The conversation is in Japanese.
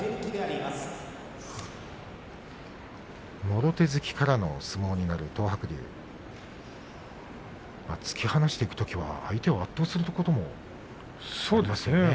もろ手突きからの相撲になる東白龍突き放していくときは相手を圧倒するときもありますよね。